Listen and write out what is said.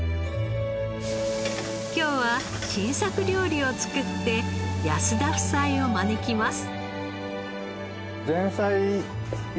今日は新作料理を作って安田夫妻を招きます。